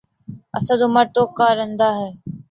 اسد عمر تو کارندہ ہے۔